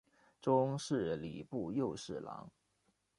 终仕礼部右侍郎。